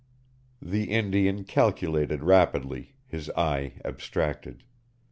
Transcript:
The Indian calculated rapidly, his eye abstracted.